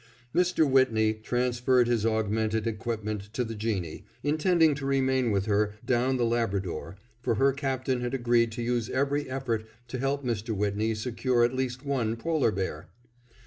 Mr. Whitney transferred his augmented equipment to the Jeanie, intending to remain with her down the Labrador, for her Captain had agreed to use every effort to help Mr. Whitney secure at least one polar bear.